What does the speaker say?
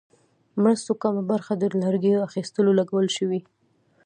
مرستو کمه برخه د لرګیو اخیستلو ولګول شوې.